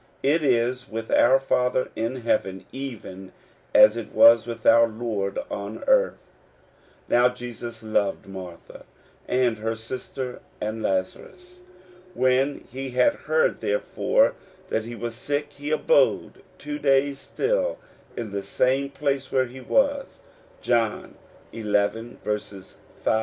It is with our Father in heaven even as it was with our Lord on earth : "Now Jesus loved Martha, and her sister, and Lazarus. When he had heard therefore that he was sick, he abode two days still in the same place where he was" (John xi.